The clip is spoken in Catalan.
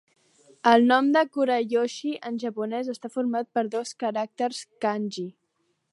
El nom de Kurayoshi en japonès està format per dos caràcters kanji.